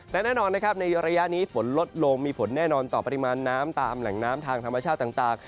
และแน่นอนนะครับในระยะนี้ฝนลดลงมีผลแน่นอนต่อปริมาณน้ำตามแหล่งน้ำทางธรรมชาติต่าง